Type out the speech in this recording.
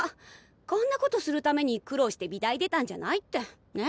こんなことするために苦労して美大出たんじゃないってね？